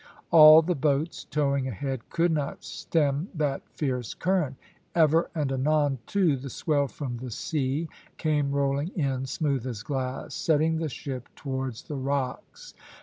All the boats towing ahead could not stem that fierce current. Ever and anon, too, the swell from the sea came rolling in smooth as glass, setting the ship towards the rocks.